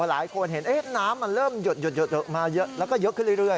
หลายคนเห็นน้ำมันเริ่มหยดมาเยอะแล้วก็เยอะขึ้นเรื่อย